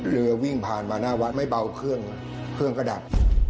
เรือวิ่งผ่านมาหน้าวัดไม่เบาเครื่องเครื่องก็ดับ